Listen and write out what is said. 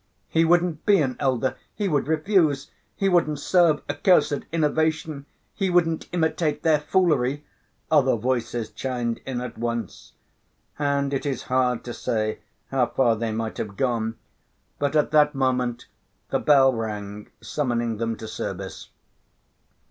"He wouldn't be an elder ... he would refuse ... he wouldn't serve a cursed innovation ... he wouldn't imitate their foolery," other voices chimed in at once. And it is hard to say how far they might have gone, but at that moment the bell rang summoning them to service.